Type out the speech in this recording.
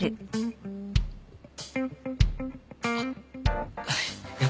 あっ。